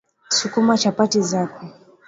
sukuma chapati zako